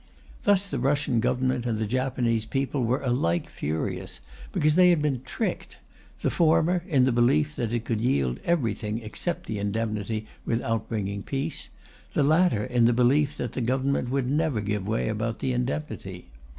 Thus the Russian Government and the Japanese people were alike furious, because they had been tricked the former in the belief that it could yield everything except the indemnity without bringing peace, the latter in the belief that the Government would never give way about the indemnity.